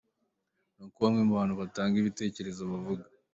Ni ko bamwe mu bantu batanga ibitekerezo bavuga.